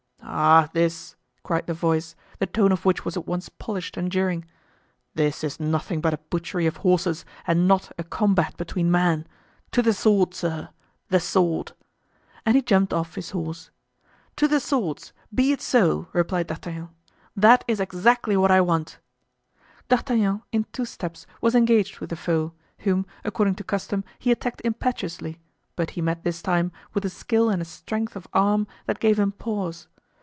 "Ah! this," cried the voice, the tone of which was at once polished and jeering, "this is nothing but a butchery of horses and not a combat between men. To the sword, sir! the sword!" And he jumped off his horse. "To the swords! be it so!" replied D'Artagnan; "that is exactly what I want." D'Artagnan, in two steps, was engaged with the foe, whom, according to custom, he attacked impetuously, but he met this time with a skill and a strength of arm that gave him pause.